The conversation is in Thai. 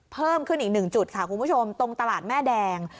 เพิ่มขึ้นอีกหนึ่งจุดค่ะคุณผู้ชมตรงตลาดแม่แดง